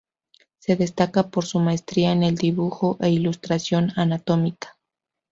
Se destaca por su maestría en el dibujo e ilustración anatómica.